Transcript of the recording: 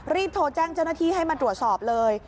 รีบโทรแจ้งเจ้าหน้าที่ให้มาตรวจสอบเลย